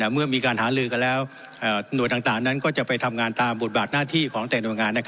เมื่อมีการหาลือกันแล้วหน่วยต่างนั้นก็จะไปทำงานตามบทบาทหน้าที่ของแต่หน่วยงาน